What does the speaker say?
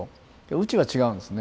うちは違うんですね。